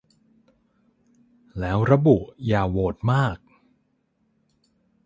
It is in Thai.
แล้วระบุ 'อย่าโหวตมาก